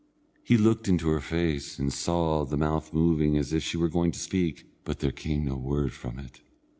He looked into her face, and saw the mouth moving as if she were going to speak, but there came no word from it.